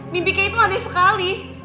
mimpi kay tuh aneh sekali